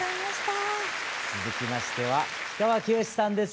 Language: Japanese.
続きましては氷川きよしさんです。